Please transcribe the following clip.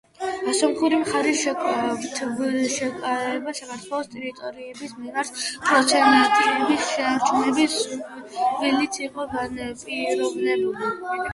სომხური მხარის თავშეკავება საქართველოს ტერიტორიების მიმართ პრეტენზიების შენარჩუნების სურვილით იყო განპირობებული.